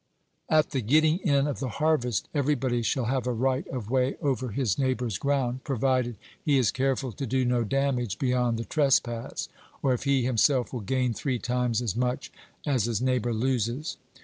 At the getting in of the harvest everybody shall have a right of way over his neighbour's ground, provided he is careful to do no damage beyond the trespass, or if he himself will gain three times as much as his neighbour loses.